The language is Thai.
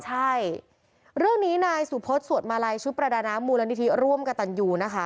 ใช่เรื่องนี้นายสุพศสวดมาลัยชุดประดาน้ำมูลนิธิร่วมกับตันยูนะคะ